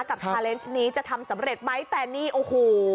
กับชาเลนส์นี้จะทำสำเร็จไหมแต่นี่โอ้โห